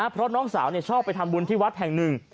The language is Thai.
เพราะน้องสาวชอบไปทำบุญที่วัดแห่งหนึ่ง